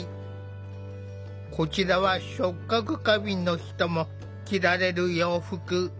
こちらは触覚過敏の人も着られる洋服。